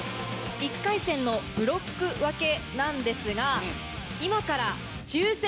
１回戦のブロック分けなんですが。